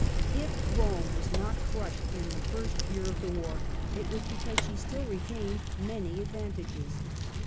If Rome was not crushed in the first year of the war, it was because she still retained many advantages.